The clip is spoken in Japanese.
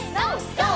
ＧＯ！